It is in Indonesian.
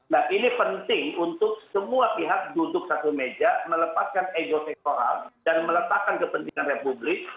nah ini penting untuk semua pihak duduk satu meja melepaskan ego sektoral dan meletakkan kepentingan republik